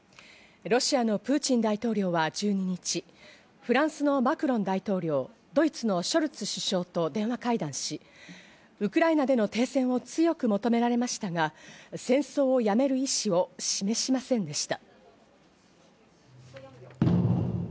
ロシアのプーチン大統領は１２日、フランスのマクロン大統領、ドイツのショルツ首相と電話会談し、ウクライナでの停戦を強く求められましたが、戦争をやめる意思を示しませんでした。